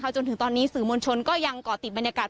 จนถึงตอนนี้สื่อมวลชนก็ยังก่อติดบรรยากาศ